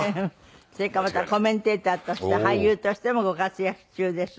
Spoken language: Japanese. それからまたコメンテーターとして俳優としてもご活躍中です。